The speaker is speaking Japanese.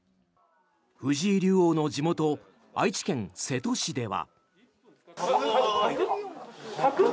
藤井竜王の地元愛知県瀬戸市では。